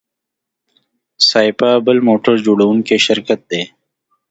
سایپا بل موټر جوړوونکی شرکت دی.